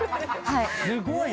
はい。